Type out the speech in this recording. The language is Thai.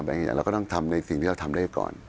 อย่างเราก็ต้องทำในสิ่งที่เราทำได้ก่อน